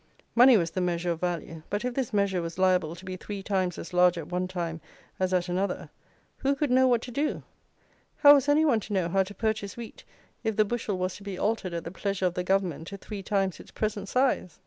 Money was the measure of value; but if this measure was liable to be three times as large at one time as at another, who could know what to do? how was any one to know how to purchase wheat, if the bushel was to be altered at the pleasure of the Government to three times its present size?